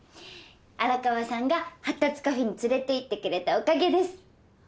荒川さんが発達カフェに連れていってくれたおかげです。